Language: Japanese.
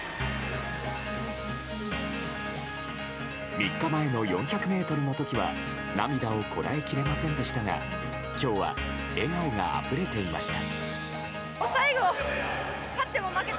３日前の４００ｍの時は涙をこらえきれませんでしたが今日は笑顔があふれていました。